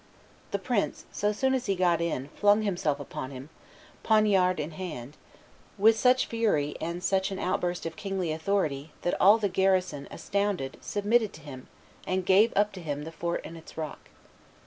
The prince, so soon as he got in, flung himself upon him, poniard in hand, with such fury and such an outburst of kingly authority, that all the garrison, astounded, submitted to him and gave up to him the fort and its rock.